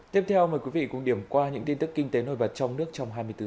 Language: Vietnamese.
tiếp theo mời quý vị cũng điểm qua những tin tức kinh tế nổi bật trong nước trong hai mươi bốn giờ qua